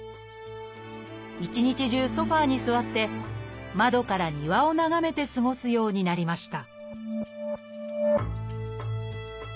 一日中ソファーに座って窓から庭を眺めて過ごすようになりました